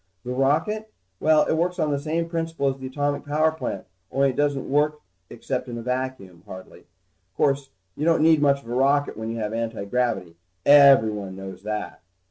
The rocket? Well, it works on the same principle as the atomic power plant, only it doesn't work except in a vacuum, hardly. Course you don't need much of a rocket when you have antigravity. Everyone knows that.